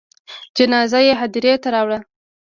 جنازه یې هدیرې ته راوړه.